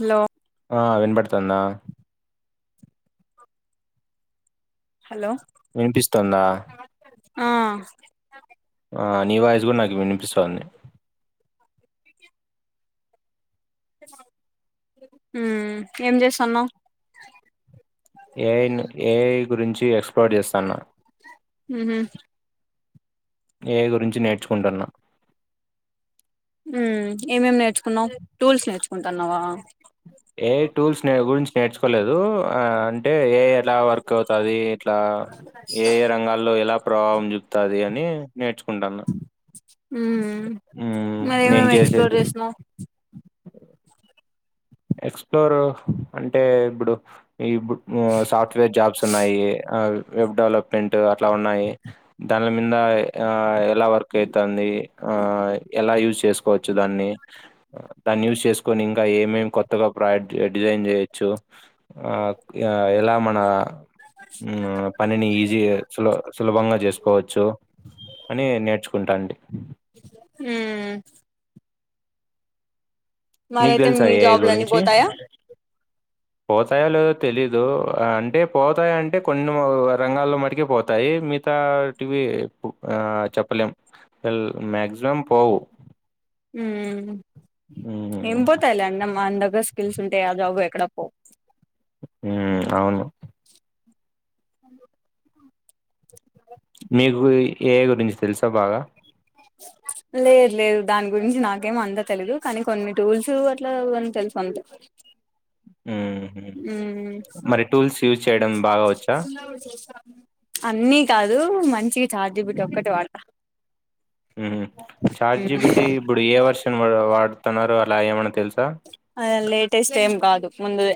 Hello ఆ వినపడుతుందా వినిపిస్తుందా ఆ ఆ నీ వాయిస్ కూడా నాకు వినిపిస్తుంది హ్మ్ ఏం చేస్తానావ్ ఏఐ ఏఐ గురించి ఎక్స్ప్లోర్ చేస్తానా మ్మ్ ఏ గురించి నేర్చుకుంటున్నా హ్మ్ ఏం ఏం నేర్చుకున్నావ్ టూల్స్ నేర్చుకుంటనవ ఎఐ టూల్స్ గురించి నేర్చుకోలేదు ఆ అంటే ఏఐ ఎలా వర్క్ అవుతది ఎట్లా ఏ ఏ రంగాల్లో ఎలా ప్రభావం చూపుతది అని నేర్చుకుంటాన హమ్ నువ్ ఏవి నేను ఏవి చేసే ఎక్స్ప్లోర్ చేశ్నవ్ ఎక్స్ప్లోర్ అంటే ఇప్పుడు ఇ సాఫ్ట్వేర్ జాబ్స్ ఉన్నాయి వెబ్ డెవలప్మెంట్ అట్లా ఉన్నాయి దానిల మీద ఆ ఎలా వర్క్ అయితంది ఆ ఎలా యూజ్ చేసుకోవచ్చు దాన్ని దాన్ని యూస్ చేసుకొని ఇంకా ఏమేమి కొత్తగా ప్రాజెక్ట్ డిజైన్ చేయొచ్చు ఆ ఎలా మన ఆ పనిని ఈజీ సుల సులభంగా చేసుకోవచ్చు అని నేర్చుకో కుంటాండి హ్మ్ మీకు మరైతే తెలుసా మీ ఎఐ జాబ్లు అన్ని గురించి పోతాయా పోతాయో లేదో తెలీదు అంటే పోతాయ అంటే కొన్ని రంగాల్లో మటుకి పోతాయి మితా టీవ చెప్పలేం మక్సిమం పోవు ఉ హ్మ్. నింబతాల అమ్మా అంద [inaudible] స్కిల్స్ ఉంటే ఎ జాబు ఎక్కడ పోవు హ్మ్ ఆవును మీకు ఏఐ గురించి తెలుసా బాగా లేదు లేదు దాని గురించి నాకేమ అంతా తెలిదు కానీ కొన్ని టూల్స్ అట్లా తెలుసు అంతే హుహు. మ్మ్ మరి టూల్స్ యు అన్నీ కాదు మ చి చాట్ జీ పి టి ఒక్కటి వాడత ఉమ్ చాట్ జీ పి టి ఇప్పుడు ఏ వర్షన్ వా వాడ్ తనరో అలా ఏమన్నా తెలుసా లేటెస్ట్ ఏం కాదు ముందుదే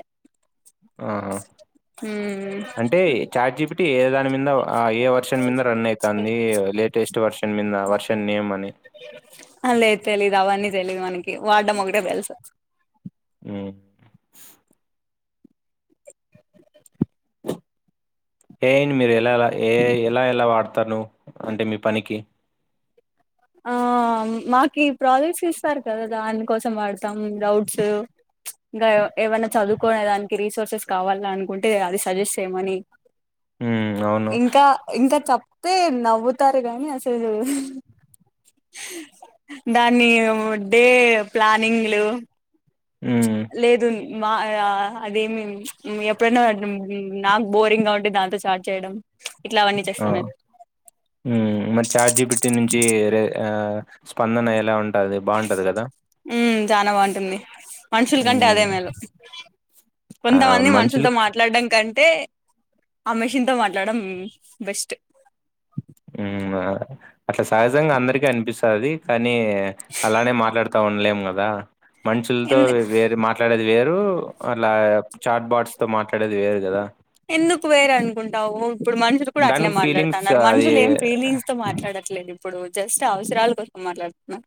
ఆ మ్మ్ అంటే చార్జీబిటి ఏద మీద ఆ ఏ వర్షన్ మీిద రన్ అయితఅన్ది లేటెస్ట్ వర్షన్ మీద వర్షన్ నేమ్మని అ లేేదు తెలీదు అవన్నీ తెలీదు మనకి వాడడం ఒకటే తెల్సు ఉమ్ ఎయిన్ మీద ఏఐ మీరు ఎలాలా ఏ ఎలా ఎలా వాడతారు నువ్వు అంటే మీ పనికి ఆ మాకు ఈ ప్రాజెక్ట్స్ ఇస్తారు కదా దానికోసం వాడతాం డౌట్స్ ఇంకా ఏమన్నా చదువుకోనే దానికి రీసోర్సెస్ కావాల అనుకుంటే అది సజెస్ట్ చేయమని హ్మ్. అవును. ఇంకా ఇంకా చెప్ తె నవ్వు తారు కానీ అసలు దాన్ని డే ప్లానింగ్లు హ్మ్. లేదున్ మా అదేమి ఎప్పుడైనా నాకు బోరింగ్ గా ఉంటే దాంతో చాట్ చేయడం ఇట్లా అవన్నీ ఆ చేస్తా నేను ఉమ్ మరి చాట్ జీ పి టీ నుంచి రే ఆ స్పందన ఎలా ఉంటది బాగుంటది కదా ఉమ్ చానా బాగుంటుంది మనుషుల కంటే హ్మ్. అదే మేలు ఆ! కొంతమంది మనుషులతో మనుషులకి మాట్లాడడం కంటే ఏ ఆ మేషిన్ తో మాట్లాడడం బెస్ట్ ఉమ్ ఆ అట్లా సహజంగా అందరికిీ అనిపిసది అని అలానే మాట్లాడతా ఉండలేము కదా మనుషులతో ఎందు వేరు మాట్లాడేది వేరు అట్లా చాట్ బాట్స్ తో మాట్లాడేది వేరు కదా ఎందుకు వేరు అనుకుంటావు ఇప్పుడు మనుషులు కూడా అట్లే దానికి ఫీలింగ్స్ మాట్లాడుతున్నారు అది మనుషులు ఏం ఫీలింగ్స్ తో మాట్లాడట్లేదు ఇప్పుడు జస్ట్ అవసరాల కోసం మాట్లాడుతున్నారు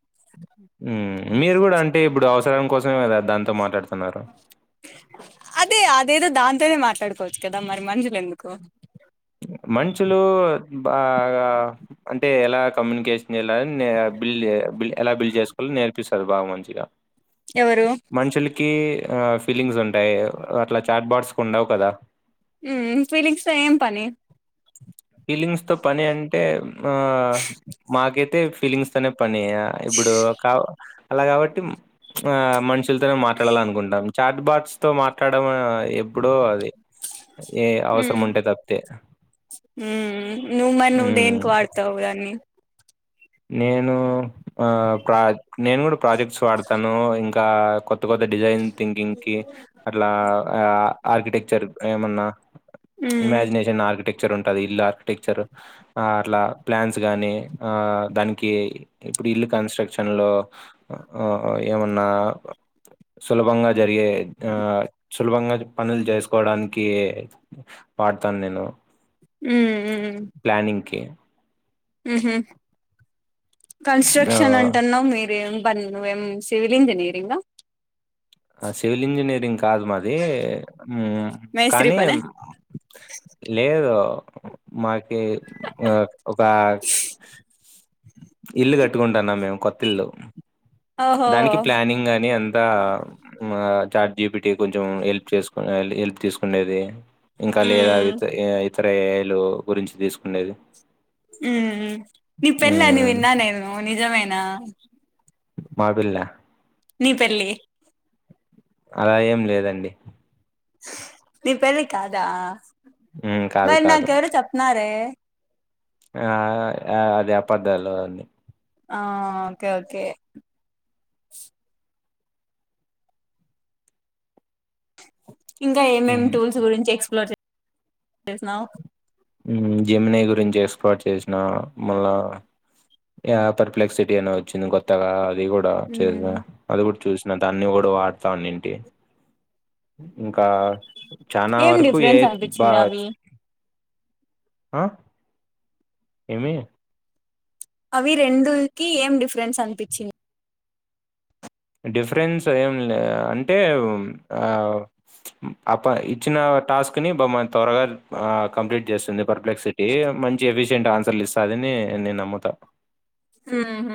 మీరు కూడా అంటే ఇప్పుడు అవసరం కోసమే కదా దాంతో మాట్లాడుతా అదే అదేదొ దాన్ తోనే మాట్లాడుకోవచ్చు కదా మరి మన్షులు ఎందుకు మంచులు బాగా అంటే ఎలా కమ్యూనికేషన్ చేయాల అని నే బిల్ ఏ బిల్ ఎలా బిల్ చేసుకోవాలో నేర్పిసది బాగా మంచిగా ఎవరు మనుషులకి ఆ ఫీలింగ్స్ ఉంటాయి అట్లా చాట్ బార్డ్స్ కు ఉండవు కదా ఉమ్ ఫీలింగ్స్ తో ఏం పని ఫీలింగ్స్ తో పని అంటే ఆ మాకైతే ఫీలింగ్స్ తోనే పని ఇప్పుడు కా అలా కాబట్టి ఆ మనుషులతోనే మాట్లాడాల అనుకుంటాం చాట్ బాట్స్ తో మాట్లాడడం ఎప్పుడో అది ఏ అవసరం మ్మ్ ఉంటే తప్తే నువ్ మరి నువ్వు దేనికి వాడతావు దాన్ని నేను ఆ ప్ర నేను కూడా ప్రాజెక్ట్స్ వాడతాను ఇంకా కొ కొత్త కొత్త డిజైన్ థింకింగ్ కి అట్లా ఆర్కిటెక్చర్ ఏమన్నా మ్మ్ ఇమజినేషన్ ఆర్కిటెక్చర్ ఉంటది ఇల్ ఆర్కిటెక్చర్ ఆ ట్లా ప్లాన్స్ గాని ఆ దానికి ఇల్లు కన్స్ట్రక్షన్ లో ఏమన్నా సులభంగా జరిగే ఆ సులభంగా పనులు చేసుకోవడానికి వాడతాను నేను ప్లానింగ్కి ఉ హు కన్స్ట్రక్షన్ ఆహ్ అంటన్నావ్ మీరేం బంద నువ్ ఎం సివిల్ ఇంజినీరింగా ఆ సివిల్ ఇంజనీరింగ్ కాదు మాది ఉమ్ మేస్త్రీ కానీ పనా లేదు మాకి ఒక ఇల్లు కట్టుకుంటాన్నాం మేం కొత్త ఇల్లు ఓహో దానికి ప్లానింగ్ అని అంతా చార్ జీపీటి కొంచెం హెల్ప్ చేసుకు హెల్ప్ తీసుకుండేది ఇంకా లేదా మ్మ్ ట్రేలు గురించి తీసుకునేేది ఉ నీ పెళ్ళి అని విన్నా నేను నిజమేనా మాడుల్లా నీ పెళ్లికి అలా ఏం లేదండి నీ పెళ్లి కాదా హ్మ్. కాదు మరి నాకు ఎవరు చెప్పనారే ఆ అది అపధ్ధాలు అన్నీ ఆ ఓకే ఓకే ఇంకా ఏమేం హ్మ్. టూల్స్ గురించి ఎక్స్ప్లోర్ చేసినావ్ హ్మ్ జిమనై గురించి ఎస్కాట్ చేసిన మళ్ళా యా పర్ప్లెక్స్ సిటీ అని వచ్చింది కొత్తగా అది కూడా చేస మ్మ్ అది కూడా చూసిన దాన్ని కూడా వాడతాం ఇనింటి ఇంకా చనా ఏం వరకు ఏ డిఫరెన్స్ బా అనిపించింది అవి ఆ ఏమి అవి రెండుకి ఏం డిఫరెన్స్ అనిపించింది డిఫరెన్స్ ఏం లే అంటే ఆ అ ప ఇచ్చిన టాస్క్ ని బా త్వరగా కంప్లీట్ చేస్తుంది పర్ప్లెక్సిటీ మంచి ఎఫిషియంట్ ఆన్సర్లు ఇస్తది నేే నేన్ నమ్ముత ఊ హ్మ్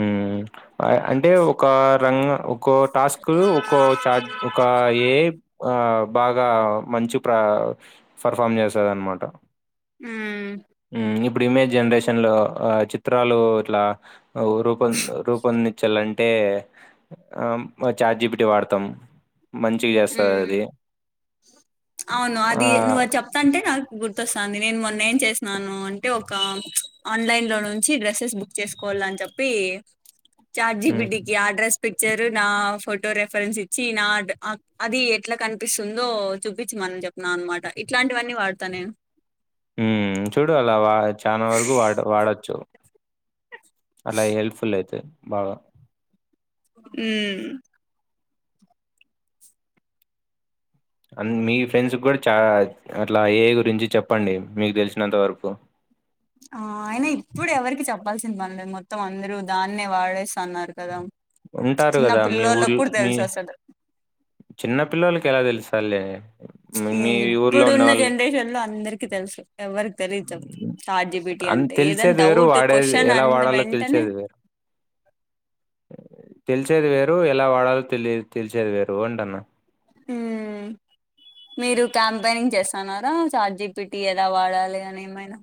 ఊమ్ అంటే ఒక రంగ ఒకో టాస్క్ ఒకో చార్జ ఒక ఏ ఆ బాగా మంచి ప్ర పర్ఫామ్ చేసద అనమాట మ్మ్ ఇప్పుడు ఇమేజ్ జనరేషన్ లో చిత్రాలు ఇట్లా రూప రూపొందించాలం టే చాట్ జిపిటి ని వాడతాం మంచిగా ఉమ్ చేస్తదది. అవును అది నువ్వు ఆహ్, అది చెప్తాంటే నాకు గుర్ తొస్తాంది నేను మొన్న ఏం చేసిసాను అంటే ఒక ఆలైన్ నుంచి డ్రెసెస్ బుక్ చేసుకోవాలని చెప్పి చాట్ హ్మ్. జీపిటి కి ఆ డ్రస్ పిక్చర్ నా ఫోటో రెఫరెన్స్ ఇచ్చి నా అది ఎట్లా కనిపిస్తుందో చూపించమని చెప్న్నా అన్నమాట ఇట్లాంటివన్నీ వాడతా నేను ఉమ్ చూడు అలా వా చాలా వరకు వాడ వాడచ్చు అలా హెల్ప్ఫుల్ అయితది బాగా ఉమ్ అ మీ ఫ్రెండ్స్ కూడా చా అట్లా ఏఐ గురించి చెప్పండి మీకు తెలిసినంత వరకు ఆ అయిన ఇప్పుడు ఎవరికి చెప్పాల్సిన పనిలేదు మొత్తం అందరు దాన్నే వాడేస్తున్నారు కదా ఉంటారు చిన్న కదా మీ పిల్లోలకి ఊర్లో కూడా మీ తెలుస అసలు చిన్న పిల్లోలకి ఎలా తెలుస్తాదిలే ఇప్పుడున్న జనరేషన్ లో అందరికి తెలుసు ఎవరి తెలీద్ చెప్ చాట్ జిపిటి అన్ అంటే ఏదన్ తెలిసేది వేరు డౌట్ వాడేది క్వశ్చన్ ఎలా అన్న వాడాలో వెంటనే తెలిసేది వేరు తెలిసేది వేరు ఎలా వాడాలో తెలియ తెలిసేది వేరు అంటన్న ఉమ్ మీరు క్యాంపెయినింగ్ చేస్తున్నారా చాట్ జీపీటీ ఎలవాడాలి అని ఏమైనా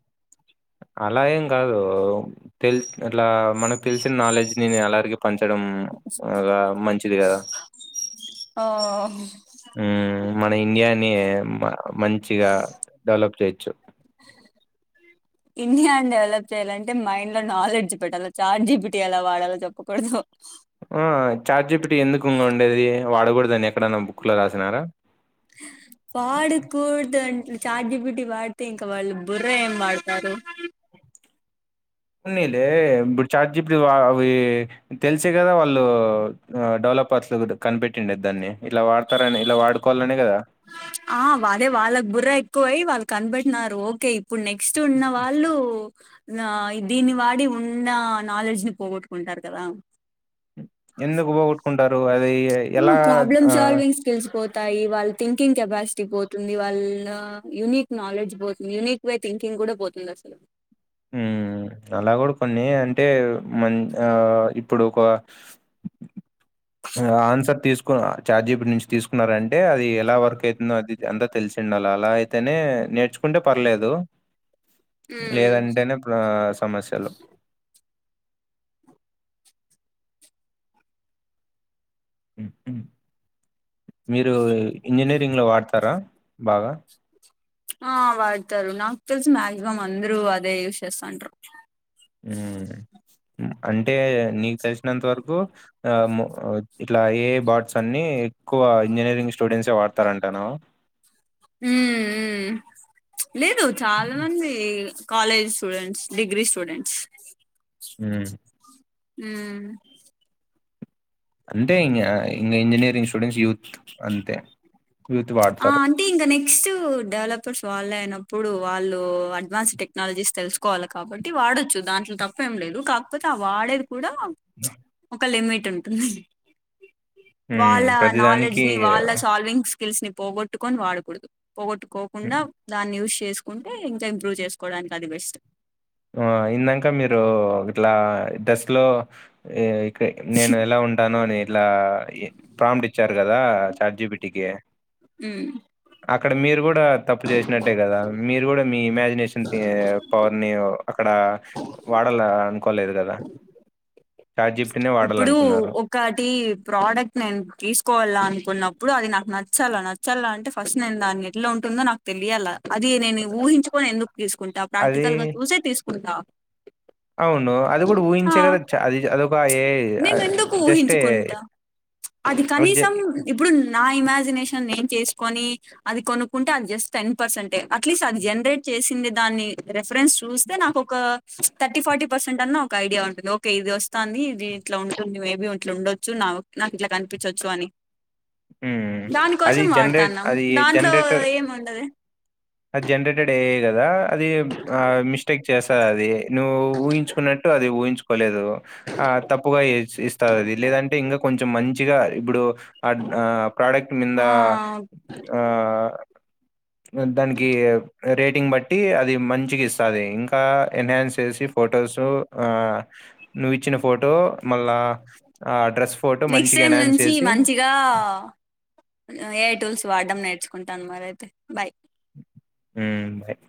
అలా ఏం కాదు తెల్ అట్లా మనకు తెలిసిన నాలెడ్జ్ ని అలారిగ పంచడం ఇగా మంచిది కదా ఓ మ్మ్ మన ఇండియాని మంచిగా డెవలప్ చేయొచ్చు ఇండియాని డెవలప్ చేయాలంటే మైండ్ లో నాలెడ్జ్ పెట్టాలి చఛార్జీ పెటీ ఎలా వాడాలో చెప్పకూడదు ఆ వాడకూడ దాన్ని ఎక్కడన్నా బుక్లో రాసినారా చార్జిబిలిటీ వాడితే ఇంకా వాళ్ళు బుర్ర ఏం వాడతారు పో నీలే ఇప్పుడు చార్జ్ అవి తెలిస కదా వాళ్ళు డ పలు కనిపెట్టండు ఇద్దరిని ఇట్ల వడ వతారని ఇలా వాడుకోవాలనే కదా కోయి వాళ్ళు కనపెట్టినన్నారు ఓకే ఇప్పుడు నెక్స్ట్ ఉన్న వాళ్ళు దీని వాడి ఉన్నా నాలెడ్జ్ ను పోగట్టుకుంటారు కదా ఎందుకు పోగొట్టుకుంటారు అ ఆ ప్రాబ్లెమ్ సాల్వింగ్స్ స్కిల్స్ పోత యి వాళ్ళ థింకింగ్ కెపాసిటీ పోతుంది వాళ్ళ యూనిక్ నాలెడ్జ్ పోతుంది యూనిక్ వే థికింగ్ కూడా పోతుంది అసలు ఉ అలా కూడా కొన్ని అంటే మ ఆ ఇప్పుడు ఒక [inaudible] ఆన్సర్ తీసుకు చాట్ జీపీటీ నుంచి తీసుకున్నార అంటే అది ఎలా వర్క్ అవుతుందో అది అంతా తెలిసడి ఉండాల అలా అయితేనే నేర్చుకుంటే పర్లేదు ఉమ్ లేదంటేనే ప్ర సమస్యలు మ్మ్ మీరు ఇంజనీరింగ్ లో వాడతారా బాగా ఆ వాడతారు నాకు తెలిసి మాక్సిమం అందరూ అదే యూజ్ చేస్తంటారు అంటే నీకు తెలిసినంత వరకు ఆ ఇట్లా ఏ బార్ట్స్ అన్ని ఎక్కువ ఇంజనీరింగ్ స్టూడెంట్స్యే వాడతారంటాను ఉ లేదు చాలా హ్మ్. మంది కాలేజ్ స్టూడెంట్స్ డిగ్రీ స్టూడెంట్స్ ఉమ్ ఉమ్ అంటే ఇంకా ఇంకా ఇంజనీరింగ్ స్టూడెంట్స్ యూత్ అంతే యూత్ ఆ వాడతారు. అంటే ఇంకా నెక్స్ట్ డెవలపర్స్ వాళ్ళు అయినప్పుడు వాళ్ళు అడ్వాన్స్ టెక్నాలజీస్ తెలుసుకోవాలి కాబట్టి వాడచ్చు దాంట్లో తప్ప ఏం లేదు కాకపోతే ఆ వాడేది కూడా ఒక లిమిట్ ఉంటుంది హ్మ్. వాళ్ళ నాలెడ్జ్ ప్రతిదానికి ని వాళ్ళ సాల్వింగ్స్ స్కిల్స్ ని పోగొట్టుకొని వాడకూడదు పోగొట్టుకోకుండా దాన్ని ఉస్ చేసుకుంటే ఇంకా ఇంప్రూవ్ చేసుకోవడానికి అది బెస్ట్ ఆ! డస్ లో ఇక్కడ నేను ఎలా ఉంటాను అనేది ఇట్లా ప్రామ్ట్ ఇచ్చారు కదా చాట్ జీపీటీ కీ హ్మ్. అక్కడ మీరు కూడా తప్పు చేసినట్టే కదా మీరు కూడా మీ ఇమజక్ నషన్ తీ పవర్ని అక్కడ వాడాల అనుకోలేదు కదా చార్జి ఇప్పుడు ఒకటి ప్రోడక్ట్ నేను తీసుకోవాల అనుకున్నప్పుడు అది నాకు నచ్చ నచ్చాలా నచ్చాలా అంటే ఫస్ట్ నేను దాన్ని ఎట్లా ఉంటుందో నాకు తెలియాల అది నేను ఊహించుకొని ఎందుకు తీసుకుంటా అది ప్రాక్టికల్ గా చూసే తీసుకుంటా అవును అది కూడా ఆ ఊహించే కదా అది అదొకాయ ఏ ఏ నేను ఎందుకు ఊహించుకుంటా అది కనీసం ఇప్పుడు నా ఇమాజినేషన్ నేను చేసుకొని అది కొనుకుంటే అది జస్ట్ టెన్ పర్సెంట్ అట్లీస్ట్ అది జనరేట్ చేసింది దాన్నీ ఫ్రెండ్స్ చూస్తే నాకు ఒక థర్టీ, ఫార్టీ పర్సెంట్ అన్న ఒక ఐడియా ఉంటుంది ఓకే ఇది వస్తాంది ఇది ఇట్లా ఉంటుంది మేబి ఇట్లుండొచ్చు నా నాకు ఇట్లా కనిపించొచ్చు అని హ్మ్. అది దానికోసం జనరేట్ వాడుతాన్నాం అది దాంట్లో జనరేటర్ ఏమి ఉండదు అది జనరేటెడ్ [unintelligible] కదా అది ఆ మిస్టేక్ చేసా అది నువ్వు ఊహించుకున్నట్టు అది ఊహించుకోలేదు ఆ తప్పుగా ఇస్తది అది లేదంటే ఇంకా కొంచెం మంచిగా ఇప్పుడు ఆ ప్రోడక్ట్ మీంద ఆ ఆ దానికి రేటింగ్ బట్టి అది మంచిగా ఇస్తది ఇంకా ఎన్హాన్స్ చేసి ఫొటోస్ ఆ నువ్వు ఇచ్చిన ఫో ఫోటో నెక్స్ట్ మంచిగా టైం ఎన్హాన్స్ నుంచి చేసి మంచిగా ఏ టూల్స్ వాడడం నేర్చుకుంటాను మరి అయితే బై మ్మ్ బాయ్